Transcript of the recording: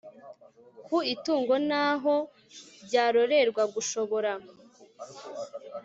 ku itungo n aho ryororerwa gashobora